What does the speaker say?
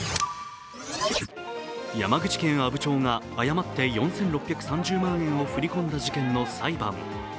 山口県阿武町が誤って４６３０万円を振り込んだ事件の裁判。